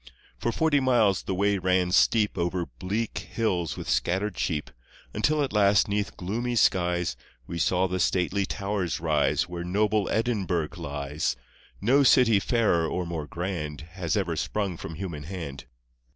For forty miles the way ran steep Over bleak hills with scattered sheep, Until at last, 'neath gloomy skies, We saw the stately towers rise Where noble Edinburgh lies — No city fairer or more grand Has ever sprung from human hand.